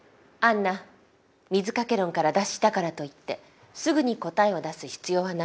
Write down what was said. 杏奈水掛け論から脱したからといってすぐに答えを出す必要はないの。